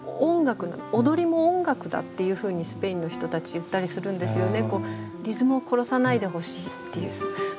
「踊りも音楽だ」っていうふうにスペインの人たち言ったりするんですよね。